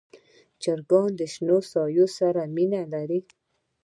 چرګان د شنو ساحو سره مینه لري.